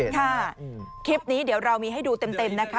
ค่ะคลิปนี้เดี๋ยวเรามีให้ดูเต็มนะคะ